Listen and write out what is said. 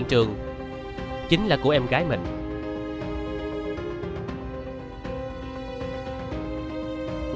chùm chìa khóa được mang đi thử